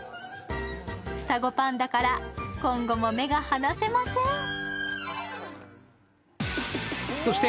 双子パンダから今後も目が離せません。